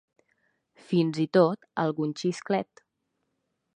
Fins i tot algun xisclet.